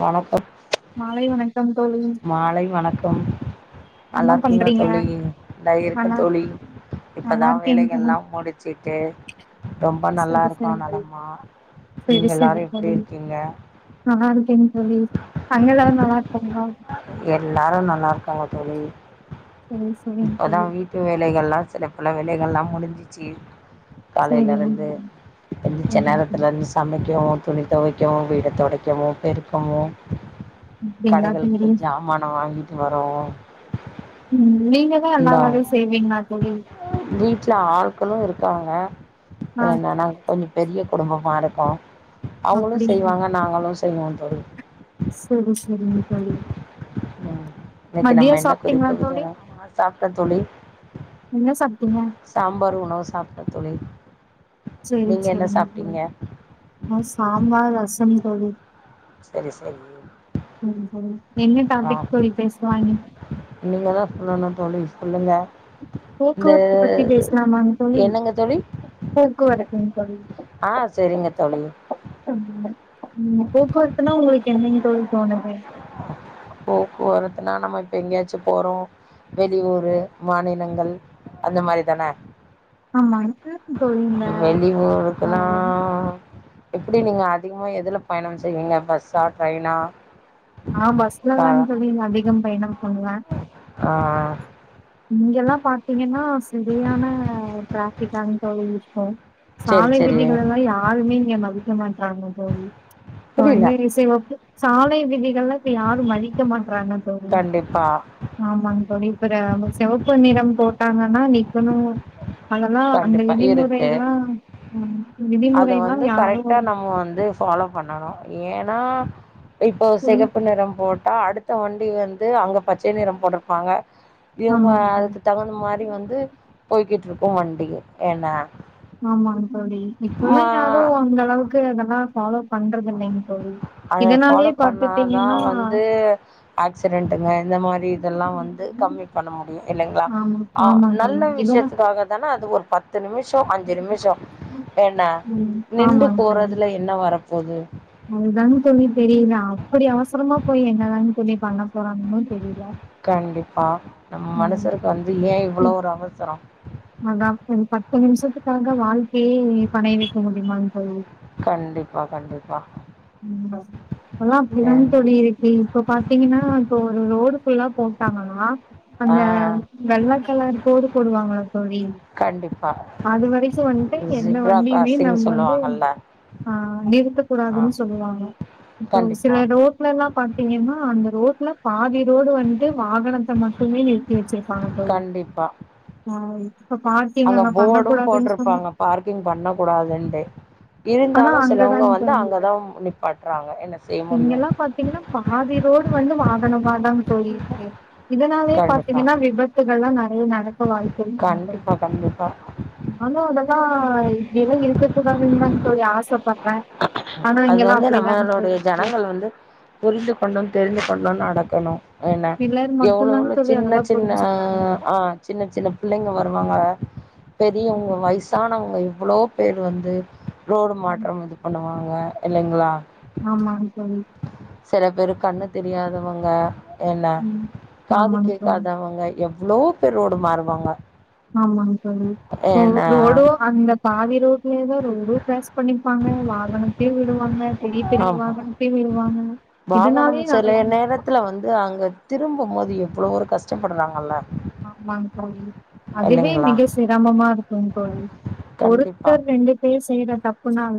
வணக்கம் மாலை வணக்கம் தோழி மாலை வணக்கம் என்ன நல்லா இருக்கீங்ளா பண்றீங்க தோழி இந்தா இருக்கே நல்லா தோழி நல்லா இப்பதா இருக்கேங்க தோழி வேலைகள்ல்லா முடுச்சுட்டு ரொம்ப நல்லா சரி இருக்கோ சரி நலமா சரி நீங்க சரி எல்லாரு எப்டி தோழி இருக்கீங்க நல்லா இருக்கேங்க தோழி அங்க எல்லாரு நல்லா இருக்காங்ளா எல்லாரு நல்லா இருக்காங்க தோழி சரி சரிங்க இப்பதா தோழி வீட்டு வேலைகள்லா சில பல வேலைகள்லா முடிஞ்சிச்சு காலேல சரிங்க இருந்து எந்துருச்ச நேரத்துல அப்டிங்களா இருந்து சமைக்கவு துணி தொவைக்கவு வீட தொடைக்கவு பெருக்கவு கடைகளுக்கு தோழி போய் ஜாமான வாங்கிட்டு வரோ உம் நீங்கதா எல்லா வேலயு செய்வீங்ளா தோழி வீட்ல ஆள்களு இருக்காங்க ஆ என்னன்ன கொஞ்சோ பெரிய குடும்பமா இருக்கு அவுங்களு அப்டிங்களா செய்வாங்க நாங்களு செய்வோ தோழி செரி செரிங்க தோழி இன்னைக்கு மதிய நம்ம என்ன சாப்ட்டீங்களா குறிப்பு வித தோழி ஆ சாப்ட்டே தோழி என்ன சாப்டிங்க சாம்பாரு உணவு சாப்ட்டே தோழி சரி நீங்க என்ன சரிங்க தோழி சாப்ட்டீங்க நா சாம்பார் ரசம் தோழி சரி சரி சரி சரி என்ன டாபிக் தோழி பேசலா இன்னைக் நீங்கதா சொல்லனு தோழி சொல்லுங்க போக்குவரத்து பத்தி பேசலாமாங்க தோழி என்னங்க தோழி போக்குவரத்துங்க தோழி ஆ செரிங்க தோழி ம் போக்குவரத்துன்னா ஒங்களுக்கு என்னங்க தோழி தோணுது போக்குவரத்துனா நம்ம இப்ப எங்கேயாச்சு போறோ வெளியூரு மாநிலங்கள் அந்த மாரி தான ஆமா எனக்கு தோழி இந்த வெளி ஆ ஊருக்ல்லா எப்டி நீங்க அதிகமாக எதுல பயணம் செய்வீங்க பஸ்ஸா ட்ரெயின்னா நா பஸ்லதாங் தோழி அதிகம் பயணம் பண்ணுவே ஆ இங்கெல்லா பாத்தீங்கன்னா சரியான ட்ராபிக்காங் தோழி இருக்கு செரி சாலை செரி விதிகளல்லா யாருமே இங்க மதிக்க மாட்டாங்க தோழி புரில ஒன்வே சரி ஓகே சாலை விதி இங்கள்ளா இப்ப யாரு மதிக்க மாட்றாங்க தோழி கண்டிப்பா ஆமாங்க தோழி இப்பர சிவப்பு நிறோ போட்டாங்கன்னா நிக்கணு அதெல்லா அந்த கண்டிப்பா விதிமுறை இருக்கு எல்லா அத விதிமுறைல்லா வந்து யாரு கரெக்டா நம்ம வந்து ஃபாலோ பண்ணனு ஏன்னா இப்போ சொல்லு சிகப்பு நிறோ போட் டா அடுத்த வண்டி வந்து அங்க பச்சை நிறம் போட்ருப்பாங்க இவுங்க ஆமாங்க தோழி அதுக்கு தகுந்த மாரி வந்து போய்கிட்டுருக்கும் வண்டி என்னா ஆமாங்க தோழி இப்பல்லா யாரும் அந்த அளவுக்கு அதல்லா ஃபாலோ பண்றது இல்லைங் தோழி அத ஃபாலோ இதனாலயே பண்ணா தா பாத்துட்டீங்கன்னா வந்து ஆக்சிடென்ட்டுங்க இந்த மாரி இதெல்லா வந்து கம்மி பண்ண முடியும் இல்லங்களா ஆமா ஆ ஆமாங்க நல்ல தோழி இதெல்லா விஷயத்துக்காக தான அது ஒரு பத் து நிமிஷம் அஞ்சி நிமிஷம் என்னா ம் நின்டு போறதுல என்ன வரப்போது அதுதாங் தோழி தெரியில அப்டி அவசரமா போயி என்னதாங் தோழி பண்ண போறாங்கன்னு தெரியில கண்டிப்பா நம்ம மனசருக்கு வந்து ஏன் இவ்ளோ ஒரு அவசரம் அதாங் தோழி பத்து நிமிஷத்துக்காக வாழ்க்கையே பனைய வைக்க முடியுமாங் தோழி கண்டிப்பா கண்டிப்பா இன்னா எல்லா அப்டிதாங்க ஏன்னா தோழி இருக்கி இப்போ பாத்தீங்கன்னா இப்போ ஒரு ரோடு ஃபுல்லா போட்டாங்கன்னா ஆ அந்த வெள்ள கலர் கோடு போடுவாங்க இல்ல தோழி கண்டிப்பா அது வரைக்கும் வண்ட்டு எந்த ஜிப்ரா வண்டியுமே கிராசிங் நம்ம வந்து சொல்லுவாங்கல்ல ஆ ஆ நிறுத்தக்கூடாதுன்னு சொல்லுவாங்க இப்போ கண்டிப்பா சில ரோ ட்லல்லா பாத்தீங்கன்னா அந்த ரோட்ல பாதி ரோடு வண்ட்டு வாகனத்த மட்டுமே நிறுத்தி வச்சிரு பாங்க தோழி கண்டிப்பா ஆ இப்ப பா அங்க போடும் போட்டுருப்பாங்க பார்க்கிங் பண்ண கூடாதுன்ட்டு ஆனா இருந்தாலும் சிலவங்க அங்கதாங்க வந்து தோழி அங்கதா நிப்பாட்டறாங்க என்ன செய்ய முடியும் தின்ன பாதிரோடு வந்து வாகனமாதாங் தோழி இருக்கு இதனாலே கண்டிப்பா பாத்தீங்கன்னா விபத் துக்கள்லா நறையா நடக்க வாய்ப்பு தோழி கண்டிப்பா கண்டிப்பா நாங்களும் அததான் தினம் இருக்க கூடாதுனுதாங் தோழி ஆச பட்றன் அது வந்து நம்மளுடைய ஜனங்கள் வந்து புரிந்து கொண்டும் தெரிந்து கொண்டும் நடக்கணும் என்ன சிலர் எவ்ளோ மட்டுந்தாங் எவ்ளோ தோழி சின்ன அதெல்லா சின்ன புரிஞ்சுக்கிறாங்க ஆ சின்ன சின்ன பிள்ளைங்க வருவாங்க பெரியவங்க வயசானவங்க இவ்ளோ பேரு வந்து ரோடு ம் மாற்றம் இது பண்ணுவாங்க இல்லைங்களா ஆமாங் தோழி சில பேரு கண்ணு தெரியாதவங்க என்ன ம் ஆமாங் தோழி காதுக்கேக்காதவங்க எவ்ளோ பேரு ரோடு மாறுவாங்க ஆமாங் தோழி ம் ஏன்னா ரோடும் அந்த பாதி ரோட்ல எதா ஒரு ரோட் கிராஸ் பண்ணிப்பாங்க வாகனத்தையும் விடுவாங்க இங்கியு பெரிய ஆமா வாகனம் தீமெரி வாகனம் இதனாலயே நறையா த்துல வந்து அங்க திரும்பமோது எவ்ளோ ஒரு கஷ்டப்படறாங்கல்ல ஆமாங் தோழி அதுவே மிக சிரமமா இருக் கும் தோழி கண்டிப்பா ஒருத்தர் ரெண்டு பேர் செய்யற தப்புனால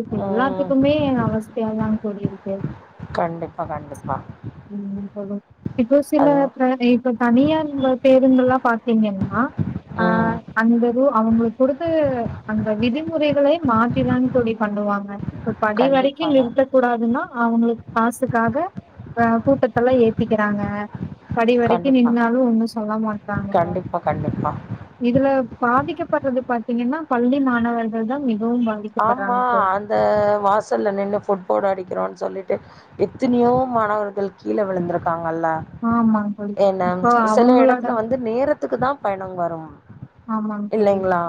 இப்ப ம் எல்லாத்துக்குமே அவஸ்தையாதாங் தோழி இருக்கு கண்டிப்பா கண்டிப்பா ம் சொல்லுங் இப்போ சில அதுவும் பிராவி இப்ப தனியா நீங்க இவங்கல்லாம் பாத்திங்கன்னா ஆ ம் அந்த ரூ அவங்கள பொறுத்து அந்த விதிமுறைகளே மாத்திதான் தோழி பண்ணுவாங்க இப்ப படி வரைக்கும் கண்டிப்பாக நிறுத்தக் கூடாதுன்னா அவுங்களுக் காசுக்காக ஆ கூட்டத்தெல்லா ஏத்திக்கிறாங்க படி வரைக்கும் கண்டிப்பா நின்னாலும் ஒண்ணு சொல்ல மாட்டாங் கண்டிப்பா கண்டிப்பா இதுல பாதிக்கப்படறது பாத்தீங்கன்னா பள்ளி மாணவர்கள் தா மிகவும் பாதிக் ஆமா அந்த வாசல்ல நின்னு ஃபுட்போட் அடிக்கிறோன் சொல்லிட்டு எத்தனையோ மாணவர்கள் கீழ விழுந்திருக்காங்கல்ல ஆமாங்க தோழி. என்ன இப்போ சில அவங்களோட இடத்துல வந்து நேரத்துக்கு தா பயணம் வரு ஆமாங்க தோழி. இல்லைங்களா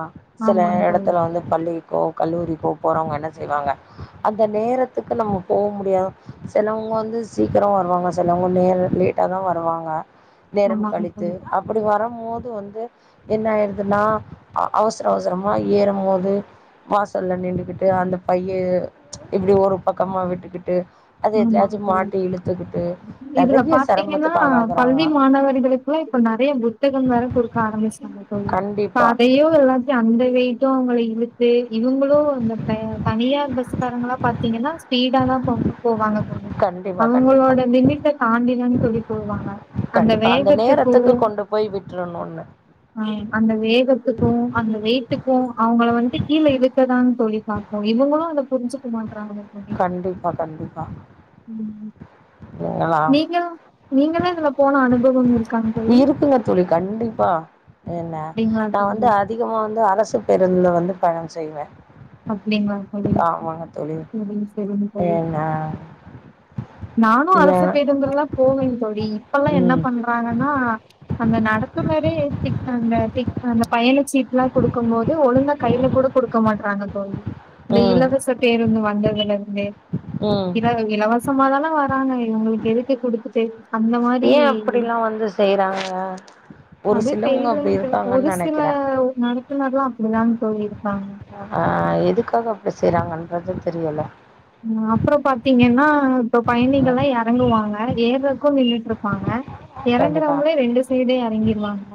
சில ஆமாங்க தோழி. இடத்துல வந்து பள்ளி கோ கல்லூரி போ போறவங்க என்ன செய்வாங்க அந்த நேரத்துக்கு நம்ம போ முடியாது சிலவங்க வந்து சீக்கிர வருவாங்க சிலவங்க நே லேட்டாதா வருவாங்க நேரம் ஆமாங்க கழித்து தோழி. [unintelligible] அப்படி வரு போது வந்து என்ன ஆயிடுதுன்னா அவசர அவசரமா ஏறும் போது வாசல்ல நின்னுகிட்டு அந்த பைய இப்டி ஒரு பக்கமா விட்டுக்கிட்டு அது ஆமாங்க எதுலயாச்சு தோழி மாட்டி இழுத்துக்கிட்டு இதுல நெறைய பாத்தீங்கன்னா சிரமத்துக்கு ஆளாகுறாங்க பள்ளி மாணவர்களுக் இப்பவே இப்ப நெறைய புத்தகம் வேற கொடுக்க ஆரம்பிச்சுடாங்க தோழி இப்ப கண்டிப்பா அதையோ எல்லா அந்த வெயிட்டு அவங்கள இழுத்து இவங்களு அந்த தனியார் பஸ்காரங்களா பாத்தீங்கன்னா ஸ்பீடா தான் போ போவாங்க சொல்லி கண்டிப்பா கண்டிப்பா அவங்களோட லிமிட்ட தாண்டதனு சொல்லி போவாங்க கண்டிப்பா அந்த நேரத்துக்கு கொண்டு போய் விட்டுரணும்னு ஆ அந்த வேகத்துக்கு அந்த வெயிட்டுக்கு அவங்கள வந்துட்டு கீழ இருக்கதான்னு சொல்லிப்பா இவங்களு அத புரிஞ்சுக்க மாட்றாங்க தோழி. கண்டிப்பா கண்டிப்பா இல்லைங்களா? நீங்க நீங்களு இதுல போன அனுபவம் இருக் இருக்குங்க தோழி கண்டிப்பா என்ன அப்டிங்களா நா தோழி? வந்து அடுத் இனிமே வந்து அரசு பேருந்தில் வந்து பயணம் செய்வே அப்டிங்களா தோழி தோழி. சேரி சேரிங்க தோழி என்ன நானு இல்ல அரசு பேருந்துல்லதா போவே தோழி இப்பெல்லா என்ன ம், பண்றாங்கன்னா அந்த நடத்துனரே டிக் பண்ண டிக் பண்ண அந்த பையன சீட்டுல்லா கொடுக்கு போது ஒழுங்கா கையில கூட குடு குடுக்க மாட்றாங்க இப்பது இந்த ம், இலவச பேருந்து வந்ததுல இருந்து ம். இல இலவசமாதான இருக்காங்களே இவங்களுக்கு எதுக்கு குடுத்துட்டு அந்த மாரி ஏன் அப்படிலாம் வந்து செய்றாங்க? ஒரு அது சிலவங்க அப்படி தெரியலன்னு தெ ஒரு இருக்காங்கன்னு சில நெனைக்கிறேன். நடத்துனர்களு அப்டிலாம்னு போயிருக்காங்க ஆ எதுக்காக அப்டி செய்றாங்கன்றது தெரியல அப்புற பாத்தீங்கன்னா இப்ப ம், பயணிகல்லா இறங்குவாங்க ஏறதுக்கு நின்னுட்டு இருக்காங்க கண்டிப்பா. இறங்குறவங்களே ரெண்டு சைடே இறங்கிடுவாங்க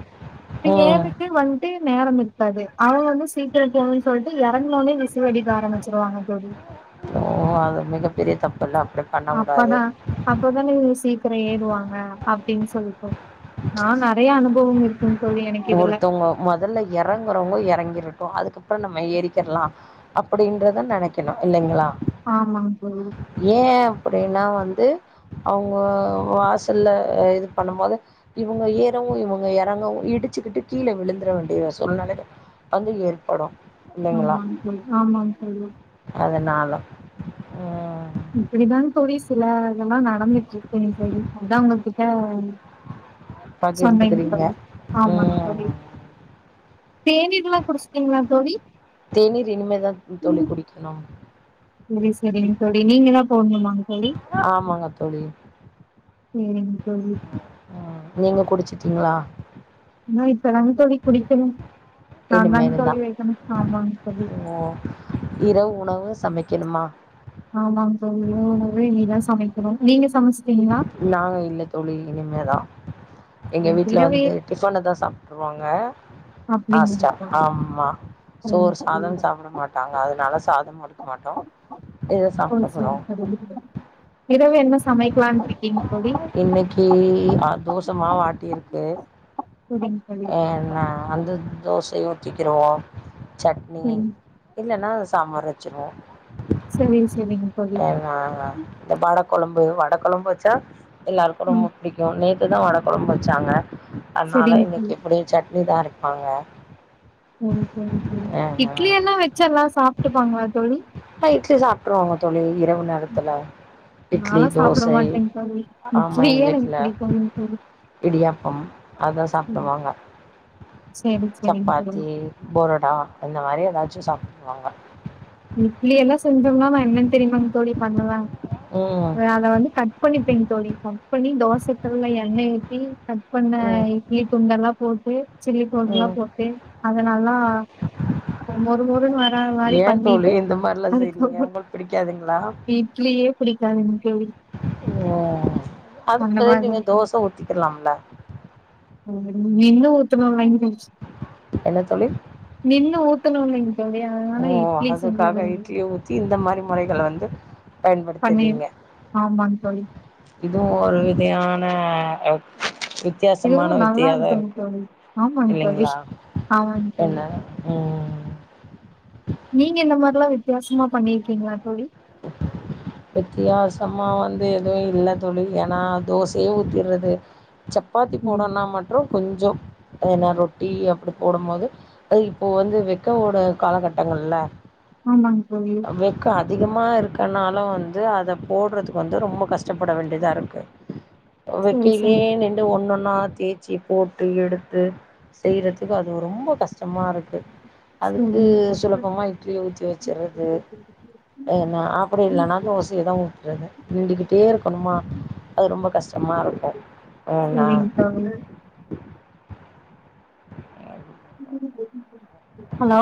நீங்க ம். ஏறததுக்கு வ ட்டு நேரம் இருக்காது அவங்க வந்து சீக்கிர போணுன்னு சொல்லிட்டு இறங்கனோனே விசில் அடிக்க ஆரம்பிச்சிருவாங்க தோழி ஓ அது மிகப்ப பெரிய தப்பல்ல அப்டி அப்பதா அப்பதா சீக்கிர ஏறுவாங்க அப்டின் சொல்லிட்டு நா நெறைய அனுபவம் இருக்கு ம் தோழி எனக் ஒருத்தவங்க முதல்ல இறங்குறவங்க இறங்கிருட்டு அதுக்கப்புற நம்ம ஏரிக்கிறலா அப்டின்றத நினைக்கணு இல்லைங்களா ஆமாங்க தோழி ஏ அப்டின்னா வந்து அவங்க வாசல்ல இது பண்ணும்போது இவங்க ஏறவு இவங்க இறங்கவு இடுச் இடுச்சுக்கிட்டு கீழ விழுந்துர வேண்டிய சூழ்நில வந்து ஏற்படு ஆமாங்க ஆமா சொல்ல [unintelligible] அதனால ம் இப்டிதா தோழி சில இதெல்லாம் நடந்துட்டு இருக்குன்னு சரி அதா உங்க கிட்ட சொன்னீங்க பகிர்ந்துக்கிறீங்க தோழி ஆமாங்க ம் தோழி தேநீர்லாம் குடிச்சிட்டீங்களா தோழி? தேநீர் இனிமேதா தோழி குடிக்கணு எரி செரி தோழி நீங்க தா போட்ணுமாங் எல்டி ஆமாங்க தோழி சேரிங் தோழி ஆ நீங்க குடிச்சிட்டிங்ளா ஏன்னா இப்ப ரங் தோழி குடிக்கணும் ஆ ரங் இனிமேல் தோழி தான் வைக்கணு ஆமான் சொல்லி ஓ இரவு உணவு சமக்கணுமா ஆமாங் தோழி [unintelligible] நீதா சமைக்கணு நீங்க சமசுட்டீங்களா நாங்க இல்ல தோழி இனிமே தா எங்க எனக்கு வீட்ல இரவே வந்து டிஃப்ஃபன தா சாப்ட்ருவாங்க அப்படிங்களா ஆஸ்டா தோழி? அம்மா சோற் சரிங்க தோழி. சாதம் சாப்ட மாட்டாங்க அதனால சாதம் ஒடு மாட்டோ இத ஸ்கோர் சாப்ட்டுக்குறோ சோரி [inaudible] இரவு என்ன சமய் இன்னுக்கி ஆத்தோஷமா வாட்டிர்க்கு புதன் கோயில என்ன அந்தத் தோசைய ஊத்திக்கிருவோ ச்சட்னி சரி. இல்லன்னா சாம்பார் வச்சிர்வோ சரி சரிங்க தோழி. எங் ஆஆ இந்த படப் கொழம்பு வட குழம் வச்சா எல்லார்க்கு ரொம்ப ம் பிடிக்கு நேத்துதா வட கொழம் வச்சாங்க அத்னால சரிங்க இன்னிக் தோழி இப்பிடி ச்சட்னி தா அரைப்பாங்க இட்லி என்னா வெச்சர்லா சாப்ட்டுப்பாங்ளா தோழி ஆ இடலி சாப் ப்ரோங்க தொழி இரவு நேரத்துல இட்லி நாலா சாப்ட தோசய் மாட்டேங் தோழி. ஆமா இட்லியே எனக்கு என்வீட்ல பிடிக்காதுங் தோழி. இடியாப்பம் அதா சரி சாப்டுவாங்க சரி, சரிங்க தோழி. ச்சப்பாத்தி பொரோட்டா இந்த மாரி ஏதாச்சு சாப்ட்ருவாங்க நிட்லி எல்லா செஞ்சோம்னா நா என்னன் தெரிமாங் தோழி பண்ணுவே ம் அ அத வந்து கட் பண்ணிட்டிங் தோழி கட் பண்ணி தோசைகள்ல எண்ணெய் ஊத்தி கட் பண்ண ம் இட்லி துண்டல்லா போட்டு சில்லி பொருள்குலா ம் போட்டு அதனல்லா அ மொறு மொறுன் வரா மாரி ஏன் தோழி பண்ணிட்டு இந்த மாதிரிலாம் அதுக் செய்கிறீங்க ஹுஹு உங்களுக்கு பிடிக்காதுங்களா பி இட்லியே பிடிக்காதுங் தோழி ஓ அந்த அதுக்பு நீங்க மாரிதாங் தோழி. தோச ஊத்திக்கலாம்லா ஆ நின்னு ஊத்தனு வெங்கிம்ஸ் என்ன தோழி நின்னு ஊத்துனுலிங் தோழியா ஓஓ ஹதுக்காக இட்லி ஊத்தி இந்த மாரி முறைகள வந்து பன்னீர் பயன்படுத்துறீங்க ஆமாங்க தோழி இதுவு ஒரு விதையான எப் இத் இதெவ்வு நல்லா இருக்குங் தோழி ஆமாங் இல்லைங்களா தோழிஷ் ஆமாங் என்ன தோழி ம் நீங்க இந்த மார்லா வித்யாசமா பண்ணீர்க்கீங்ளா தோழி வித்தியாசமா வந்து எதுவு இல்ல துளி எனா தோசையே ஊத்திறது ச்சப்பாத்தி ம் போடனா மட்ரு கொஞ்சு ஏனா ரொட்டி அப்படி போடும் போது ஹய் இப்போ வந்து வெக்க ஓட காலகட்டங்கள்ல ஆமாங் தோழி வெக்க அதிகம் மா இருக்கனால வந்து அத போட்றத்துக்கு வந்து ரொம்ப கஷ்டப்பட வேண்டிதா இருக்கு சரி சரி வெக்கையிலயே நின்டு ஒண்ணு ஒன்னா தேய்ச்சி போட்டு எடுத்து செய்யறதுக்கு அது ரொம்ப கஷ்டமா இருக்கு அதுக்கு சரிங்க தோழி சுலபமா இட்லிய ஊத்தி வச்சறது அ ந அப்படி இல்லனா தோசையேதா ஊத்தறது நிண்டுக்கிட்டே இருக்கணுமா அது ரொம்ப கஷ்டமா இருக்கு நா சரிங்க தோழ ஆ [inaudible] ஹலோ